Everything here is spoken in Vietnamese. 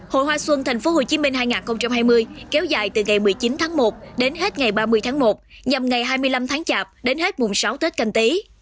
hội hoa xuân tp hcm hai nghìn hai mươi kéo dài từ ngày một mươi chín tháng một đến hết ngày ba mươi tháng một nhằm ngày hai mươi năm tháng chạp đến hết mùng sáu tết canh tí